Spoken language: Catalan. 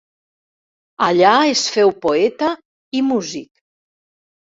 Allà es féu poeta i músic.